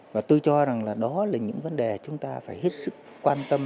và tôi cho rằng là đó là những vấn đề chúng ta phải hết sức quan tâm